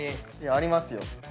ありますよ。